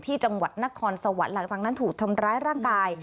ที่จังหวัดนครสวรรค์หลังจากนั้นถูกทำร้ายร่างกาย